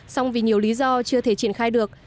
song vì nhiều lý do chưa thể triển khai được